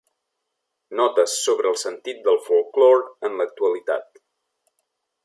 Notes sobre el sentit del folklore en l'actualitat